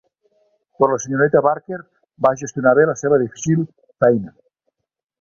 Però la senyoreta Barker va gestionar bé la seva difícil feina.